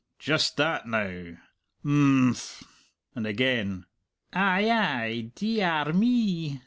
"Just that, now!"... "Im phm!" And again, "Ay, ay!... Dee ee ar me!"